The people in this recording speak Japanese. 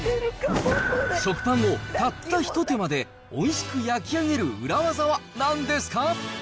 食パンをたったひと手間でおいしく焼き上げる裏ワザはなんですか？